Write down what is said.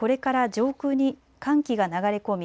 上空に寒気が流れ込み